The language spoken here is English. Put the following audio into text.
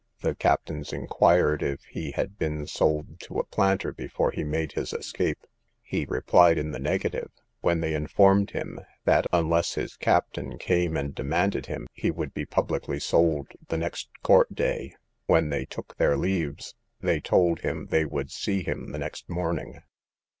The captains inquired if he had been sold to a planter before he made his escape; he replied in the negative, when they informed him, that unless his captain came and demanded him, he would be publicly sold the next court day. When they took their leaves, they told him they would see him the next morning.